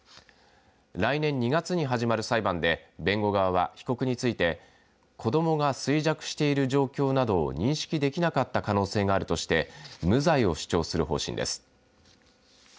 来年２月に始まる裁判で弁護側は、被告について子どもが衰弱している状況などを認識できなかった可能性があるとして無罪を主張する方針です。